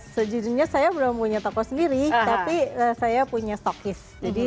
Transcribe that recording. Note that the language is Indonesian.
sejujurnya saya belum punya toko sendiri tapi saya punya stockis